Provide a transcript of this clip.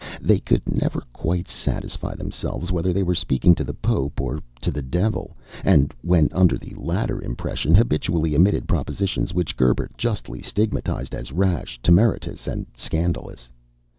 They could never quite satisfy themselves whether they were speaking to the Pope or to the Devil, and when under the latter impression habitually emitted propositions which Gerbert justly stigmatized as rash, temerarious, and scandalous.